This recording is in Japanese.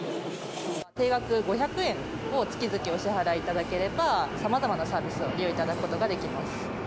定額５００円を月々お支払いいただければ、さまざまなサービスを利用いただくことができます。